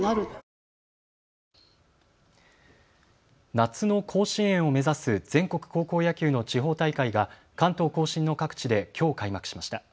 夏の甲子園を目指す全国高校野球の地方大会が関東甲信の各地できょう開幕しました。